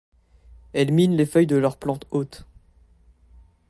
Elles minent les feuilles de leur plante hôte.